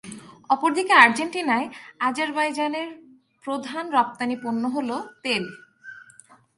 অপরদিকে আর্জেন্টিনায়, আজারবাইজানের প্রধান রপ্তানি পণ্য হল তেল।